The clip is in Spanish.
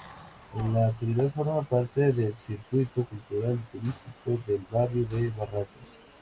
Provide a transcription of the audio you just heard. En la actualidad forma parte del circuito cultural y turístico del barrio de Barracas.